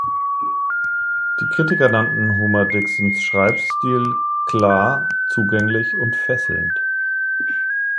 Die Kritiker nannten Homer-Dixons Schreibstil klar, zugänglich und fesselnd.